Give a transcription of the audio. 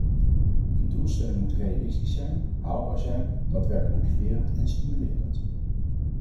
Een doelstelling moet realistisch zijn, haalbaar zijn, dat werkt motiverend en stimulerend.